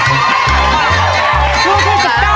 เข้าหลังหัวที่ไหน